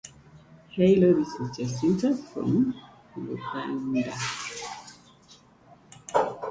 An Atlanta-based trio, King Richard's Sunday Best, also uses a cellist in their lineup.